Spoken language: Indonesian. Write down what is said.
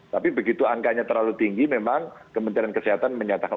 tapi begitu angkanya terlalu tinggi memang kementerian kesehatan menyatakan